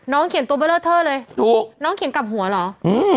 น้องเขียนตัวเบลอเท่าเลยน้องเขียนกลับหัวเหรอ